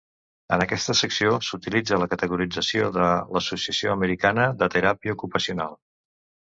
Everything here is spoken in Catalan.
En aquesta secció, s'utilitza la categorització de l'Associació Americana de Teràpia Ocupacional.